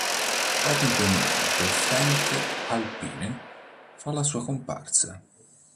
Proprio in quel momento, Frank Alpine fa la sua comparsa.